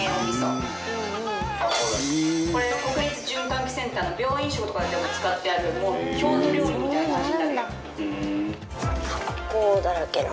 これ国立循環器センターの病院食とかでも使ってある郷土料理みたいな味になる。